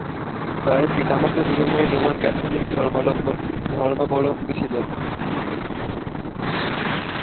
তার পিতামাতা দুজনেই রোমান ক্যাথলিক ধর্মাবলম্বী ছিলেন।